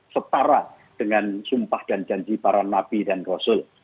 setara dengan sumpah dan janji para nabi dan rasul